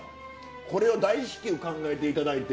これを大至急考えていただいて。